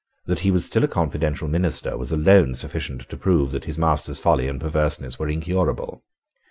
That he was still a confidential minister was alone sufficient to prove that his master's folly and perverseness were incurable.